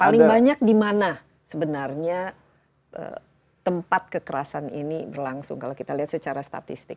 paling banyak di mana sebenarnya tempat kekerasan ini berlangsung kalau kita lihat secara statistik